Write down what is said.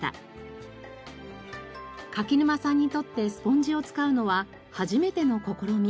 柿沼さんにとってスポンジを使うのは初めての試み。